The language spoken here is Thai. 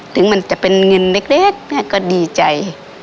ถึงมันจะเป็นเงินเล็กเนี่ยก็ดีใจ